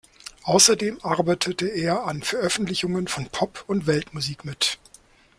Außerdem arbeitete er an Veröffentlichungen von Pop und Weltmusik mit.